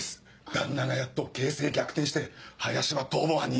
旦那がやっと形勢逆転して林は逃亡犯に。